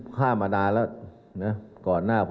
โทษนะครับ